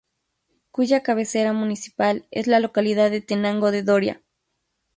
Cuya cabecera municipal es la localidad de Tenango de Doria.